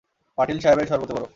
পাটিল সাহেবের শরবতে বরফ।